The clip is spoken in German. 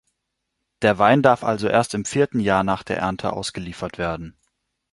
Der Wein darf also erst im vierten Jahr nach der Ernte ausgeliefert werden.